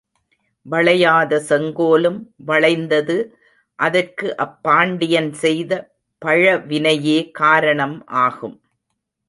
வளையாத செங்கோலும் வளைந்தது அதற்கு அப் பாண்டியன் செய்த பழவினையே காரணம் ஆகும்.